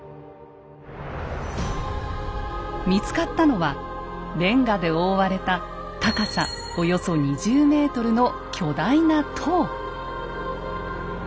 見つかったのはレンガで覆われた高さおよそ２０ｍの巨大な塔。